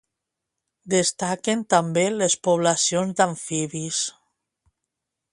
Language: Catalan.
Destaquen també les poblacions d'amfibis.